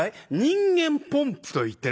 人間ポンプといってね